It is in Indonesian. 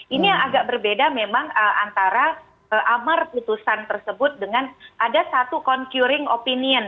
ini yang agak berbeda memang antara amar putusan tersebut dengan ada satu concurring opinion